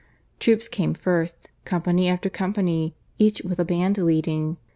Troops came first company after company each with a band leading.